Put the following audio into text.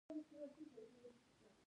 زیان څنګه مخنیوی کړو؟